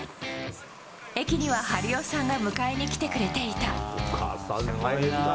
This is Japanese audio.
駅には春代さんが迎えにきてくれていた。